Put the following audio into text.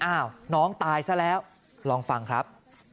อ้าวน้องตายซะแล้วลองฟังครับ